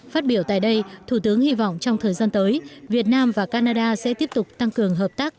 phát biểu tại đây thủ tướng hy vọng trong thời gian tới việt nam và canada sẽ tiếp tục tăng cường hợp tác